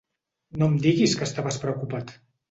No em diguis que estaves preocupat!